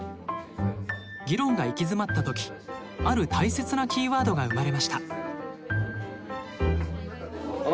議論が行き詰まった時ある大切なキーワードが生まれました。